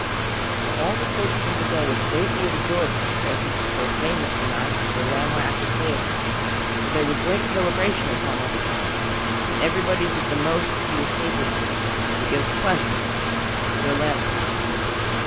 [Sidenote: Sir Lamorack is honored at Tintagel] Now all the court at Tintagel was greatly rejoiced at the presence of so famous a knight as Sir Lamorack of Gales; so there was great celebration upon that account, and everybody did the most that he was able to give pleasure to Sir Lamorack.